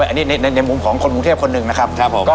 อันนี้ในมุมของคนกรุงเทพคนหนึ่งนะครับผม